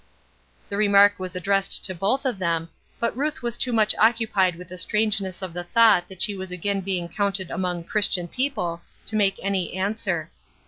The remark was addressed to both of them, but Ruth was too much occupied with the strangeness of the thought that she was again being counted among "Christian people" to make any answer.